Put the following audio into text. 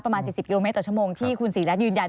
ประมาณ๔๐กิโลเมตรต่อชั่วโมงที่คุณศรีรัฐยืนยัน